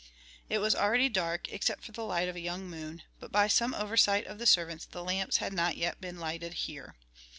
It was already dark, except for the light of a young moon, but by some oversight of the servants the lamps had not yet been lighted here.